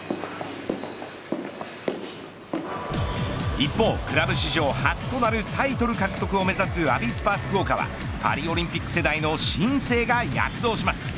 一方、クラブ史上初となるタイトル獲得を目指すアビスパ福岡はパリオリンピック世代の新星が躍動します。